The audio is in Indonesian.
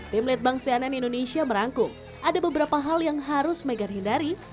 tim lead bank cnn indonesia merangkum ada beberapa hal yang harus meghan hindari